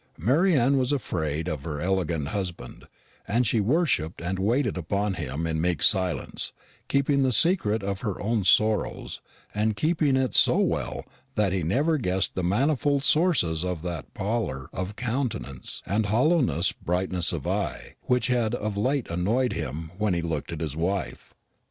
Mary Anne was afraid of her elegant husband; and she worshipped and waited upon him in meek silence, keeping the secret of her own sorrows, and keeping it so well that he never guessed the manifold sources of that pallor of countenance and hollow brightness of eye which had of late annoyed him when he looked at his wife.